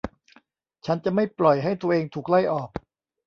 ฉันจะไม่ปล่อยให้ตัวเองถูกไล่ออก